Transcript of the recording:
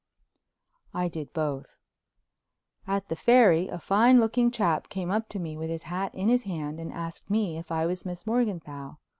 I did both. At the Ferry a fine looking chap came up to me, with his hat in his hand, and asked me if I was Miss Morganthau.